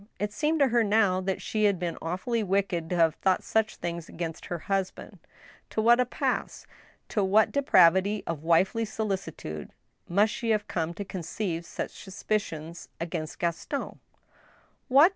It seemed to her now that she had been awfully wicked to have thought such things against her husband. To what a pass — to ' what depravity of wifely solicitude must she have come to conceive such suspicions against Gaston } What